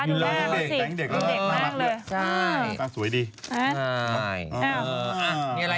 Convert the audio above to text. นึกออกละ